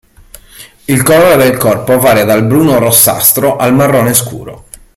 Il colore del corpo varia dal bruno-rossastro al marrone scuro.